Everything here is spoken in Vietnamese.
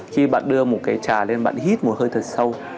khi bạn đưa một cái trà lên bạn hít mùi hơi thật sâu